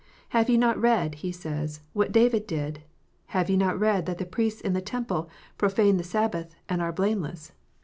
" Have ye not read," He says, "what David did?" "Have ye not read that the priests in the temple profane the Sabbath, and are blameless?"